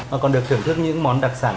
mà còn được thưởng thức những món đặc sản